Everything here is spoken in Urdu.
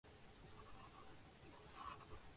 ہر جگہ کسی نہ کسی قسم کے پرندے پائے جاتے ہیں